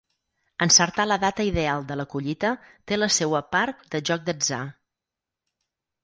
Encertar la data ideal de la collita té la seua part de joc d'atzar.